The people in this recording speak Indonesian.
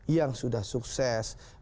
yang sudah sukses